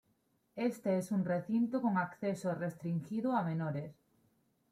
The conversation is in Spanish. Este es un recinto con acceso restringido a menores.